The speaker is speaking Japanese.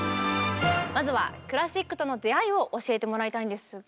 まずはクラシックとの出会いを教えてもらいたいんですが。